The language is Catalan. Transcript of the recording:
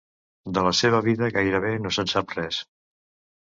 De la seva vida gairebé no se'n sap res.